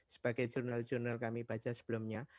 sebagai jurnal jurnal kami baca sebelumnya